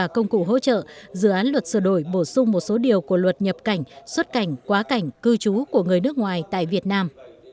công cụ hỗ trợ dự án luật sửa đổi bổ sung một số điều của luật nhập cảnh xuất cảnh quá cảnh cư trú của người nước ngoài tại việt nam